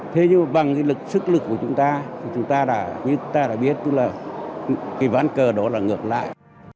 thế nhưng bằng sức lực của chúng ta như chúng ta đã biết ván cờ đó là ngược lại